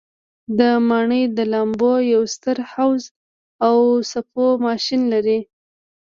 دا ماڼۍ د لامبو یو ستر حوض او څپو ماشین لري.